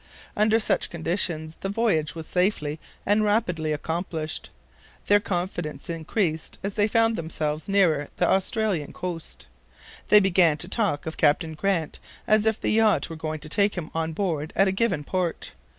Under such conditions, the voyage was safely and rapidly accomplished. Their confidence increased as they found themselves nearer the Australian coast. They began to talk of Captain Grant as if the yacht were going to take him on board at a given port.